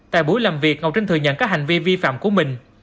tại buổi làm việc ngọc trinh thừa nhận các hành vi vi phạm của mình